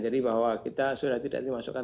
jadi bahwa kita sudah tidak dimasukkan